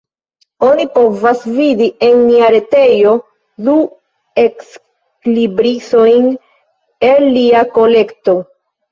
Oni povas vidi en nia retejo du ekslibrisojn el lia kolekto.